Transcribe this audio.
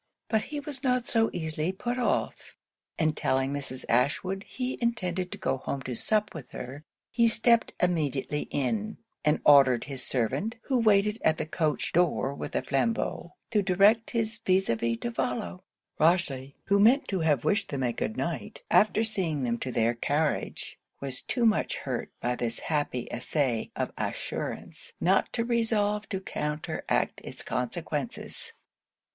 But he was not so easily put off: and telling Mrs. Ashwood he intended to go home to sup with her, he stepped immediately in, and ordered his servant, who waited at the coach door with a flambeau, to direct his vis a vis to follow. Rochely, who meant to have wished them a good night after seeing them to their carriage, was too much hurt by this happy essay of assurance not to resolve to counteract it's consequences.